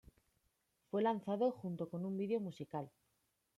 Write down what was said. Fue lanzado junto con un video musical.